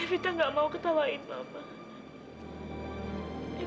evita gak mau ketawain mama